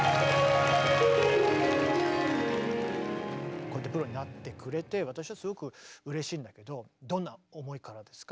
こうやってプロになってくれて私はすごくうれしいんだけどどんな思いからですか？